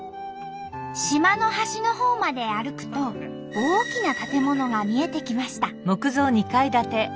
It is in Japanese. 島の端のほうまで歩くと大きな建物が見えてきました。